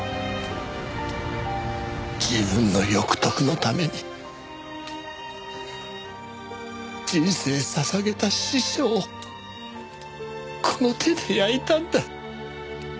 自分の欲得のために人生捧げた師匠をこの手で焼いたんだ。